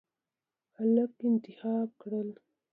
هلکان انتخاب کړل.